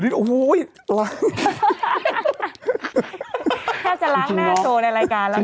แก้วจะล้างหน้าโตสินะ